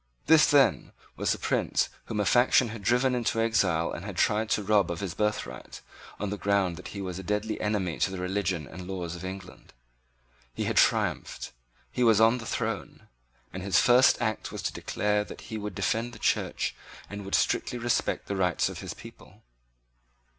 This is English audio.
This, then, was the prince whom a faction had driven into exile and had tried to rob of his birthright, on the ground that he was a deadly enemy to the religion and laws of England. He had triumphed: he was on the throne; and his first act was to declare that he would defend the Church, and would strictly respect the rights of his people.